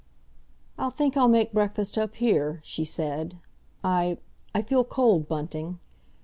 "I think I'll make breakfast up here," she said. "I—I feel cold, Bunting."